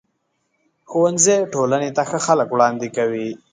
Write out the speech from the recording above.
ښوونځی ټولنې ته ښه خلک وړاندې کوي.